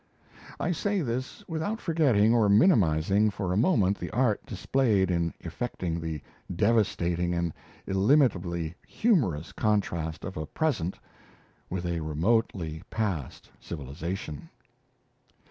I say this without forgetting or minimizing for a moment the art displayed in effecting the devastating and illimitably humorous contrast of a present with a remotely past civilization.